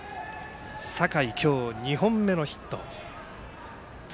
酒井、今日２本目のヒット。